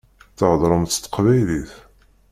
Theddṛemt s teqbaylit.